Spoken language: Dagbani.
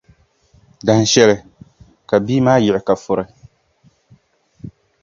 Dahinshɛli, ka bia maa yiɣi ka furi.